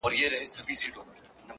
چي شال يې لوند سي د شړۍ مهتاجه سينه”